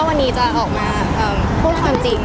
วันนี้จะออกมาพูดความจริง